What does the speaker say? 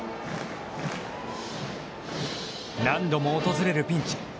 何度も訪れるピンチ。